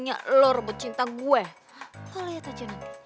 nah engkag pek etna